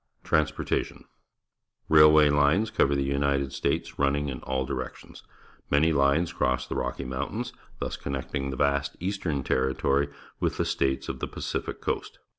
Transportation. — Railway lines cover the L'^nited States, running in all directions. ]\lany lines cross the Rocky Mountains, thus connecting the va.st ea.stem territorj' with the states of the Pacific coast.